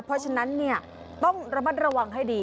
เพราะฉะนั้นต้องระมัดระวังให้ดี